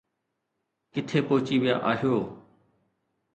ڪٿي پهچي ويا آهيو؟